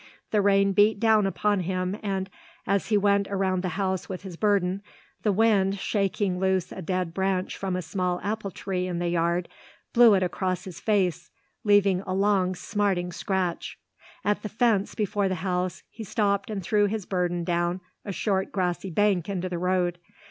The rain beat down upon him and, as he went around the house with his burden, the wind, shaking loose a dead branch from a small apple tree in the yard, blew it against his face, leaving a long smarting scratch. At the fence before the house he stopped and threw his burden down a short grassy bank into the road.